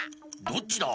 どっちだ？